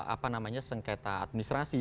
apa namanya sengketa administrasi